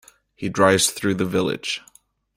He drives through the village.